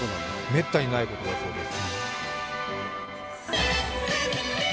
めったにないことです。